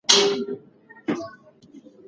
د شدید سر درد په وخت کې بدن د ژور تنفس احساس کوي.